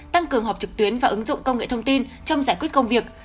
tăng cường họp trực tuyến và ứng dụng công nghệ thông tin trong giải quyết công việc